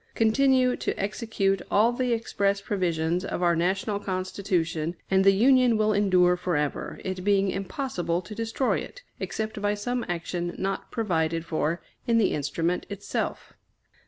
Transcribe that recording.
Continue to execute all the express provisions of our National Constitution, and the Union will endure forever, it being impossible to destroy it, except by some action not provided for in the instrument itself.